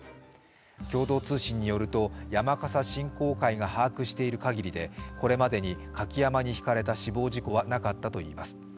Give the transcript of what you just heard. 共同通信によると、山笠振興会が把握しているかぎりでこれまでに舁き山笠にひかれた死亡事故はなかったといいます。